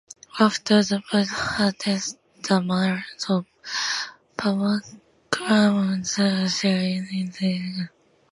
After the Buddha's death, the Mallas of Pava claimed a share in his relics.